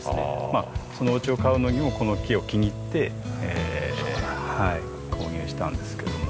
まあその家を買うのにもこの木を気に入って購入したんですけども。